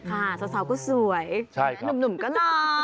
ค่ะสาวก็สวยหนุ่มก็น้อง